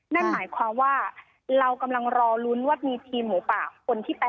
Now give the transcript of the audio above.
นั่นหมายความว่าเรากำลังรอลุ้นว่ามีทีมหมูป่าคนที่ไป